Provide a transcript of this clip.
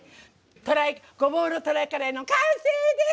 「ごぼうのトライカレー」の完成です！